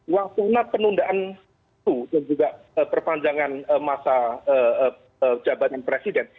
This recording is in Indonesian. waktunya penundaan itu dan juga perpanjangan masa jabatan presiden